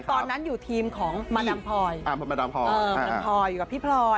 ตอนนั้นอยู่ทีมของมดัมพลอยพี่พลอย